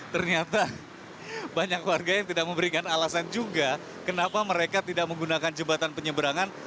ternyata banyak warga yang tidak memberikan alasan juga kenapa mereka tidak menggunakan jembatan penyeberangan